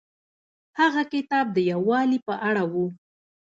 هغه کتاب د یووالي په اړه و.